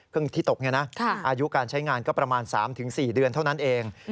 ที่ตกเนี่ยนะอายุการใช้งานก็ประมาณ๓๔เดือนเท่านั้นเอง